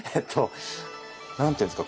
何て言うんですか。